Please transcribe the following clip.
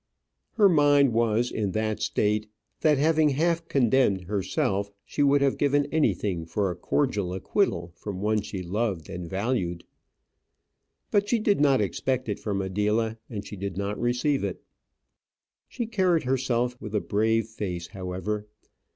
Her mind was in that state, that having half condemned herself, she would have given anything for a cordial acquittal from one she loved and valued. But she did not expect it from Adela, and she did not receive it. She carried herself with a brave face, however.